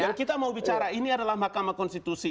yang kita mau bicara ini adalah mahkamah konstitusi